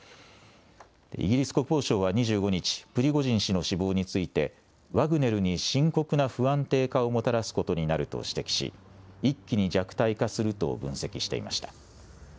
イギリス国防省は２５日、プリゴジン氏の死亡について、ワグネルに深刻な不安定化をもたらすことになると指摘し、一気に弱体化すると分析していました。